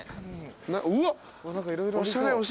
うわっ！